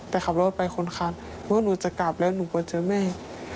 แต่ขับรถไปคนคันว่าหนูจะกลับแล้วหนูก็เจอแม่